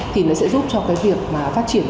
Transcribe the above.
thì nó sẽ giúp cho việc phát triển